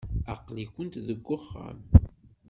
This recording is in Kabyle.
Aql-ikent deg uxxam.